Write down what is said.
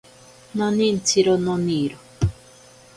Nonintsiro noniro.